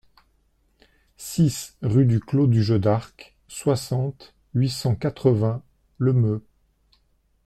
six rue du Clos du Jeu d'Arc, soixante, huit cent quatre-vingts, Le Meux